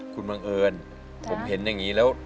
คุณบังเอิญผมเห็นอย่างนี้แล้ว